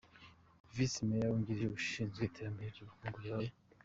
Visi Meya wungirije ushinzwe iterambere ry’ubukungu yabaye .